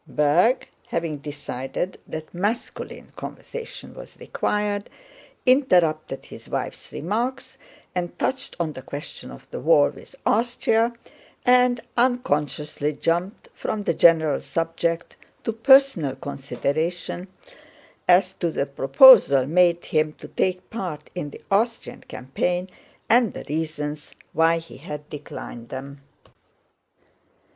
Berg, having decided that masculine conversation was required, interrupted his wife's remarks and touched on the question of the war with Austria, and unconsciously jumped from the general subject to personal considerations as to the proposals made him to take part in the Austrian campaign and the reasons why he had declined them.